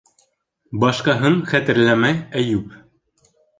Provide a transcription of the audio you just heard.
Башҡаһын хәтерләмәй Әйүп.